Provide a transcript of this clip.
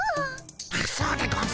あっそうでゴンス。